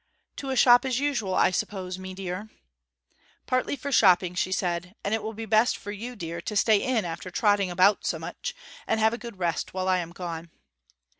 'To a shop as usual, I suppose, mee deer?' 'Partly for shopping,' she said. 'And it will be best for you, dear, to stay in after trotting about so much, and have a good rest while I am gone.'